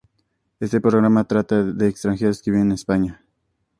Este programa trata de extranjeros que viven en España.